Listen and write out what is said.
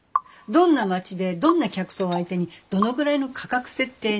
どんな街でどんな客層を相手にどのぐらいの価格設定にするのか。